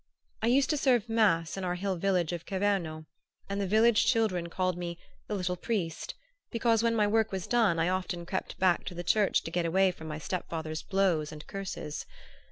I used to serve mass in our hill village of Cerveno, and the village children called me "the little priest" because when my work was done I often crept back to the church to get away from my step father's blows and curses.